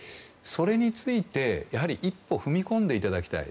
それについて、やはり一歩、踏み込んでいただきたい。